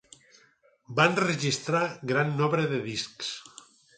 Va enregistrar gran nombre de discs.